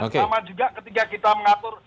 dan sama juga ketika kita mengatur